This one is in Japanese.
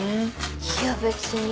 いや別に。